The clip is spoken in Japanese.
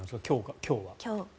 今日は。